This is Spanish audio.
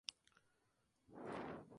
Magellan es un asteroide cercano a la Tierra.